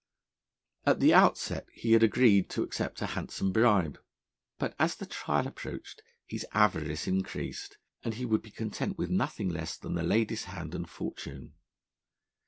At the outset he had agreed to accept a handsome bribe, but as the trial approached, his avarice increased, and he would be content with nothing less than the lady's hand and fortune.